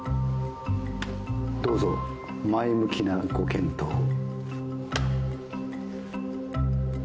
どうぞ前向きなご検討を。